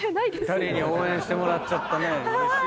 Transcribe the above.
２人に応援してもらっちゃったね。